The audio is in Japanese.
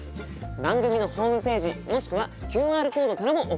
番組のホームページもしくはＱＲコードからも送っていただけます。